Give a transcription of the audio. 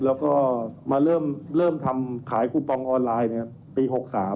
แล้วก็มาเริ่มทำขายคูปองออนไลน์ปี๖๓